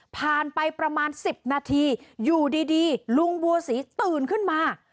ผ่านไปประมาณ๑๐นาทีอยู่ดีลุงบัวศรีตื่นขึ้นมา